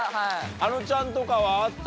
あのちゃんとかはあった？